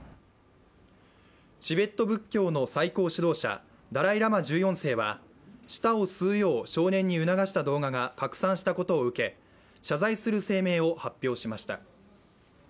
チベット仏教の最高指導者ダライ・ラマ１４世は舌を吸うよう少年に促した動画が拡散したことを受け謝罪する声明を発表しました。